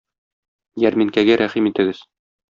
Ярминкәгә рәхим итегез!